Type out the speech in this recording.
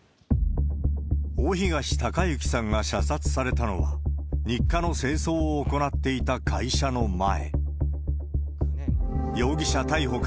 大東隆行さんが射殺されたのは、日課の清掃を行っていた会社の前。